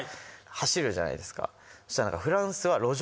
走るじゃないですか。